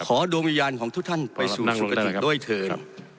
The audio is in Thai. ดวงวิญญาณของทุกท่านไปสู่สุขด้วยเถิน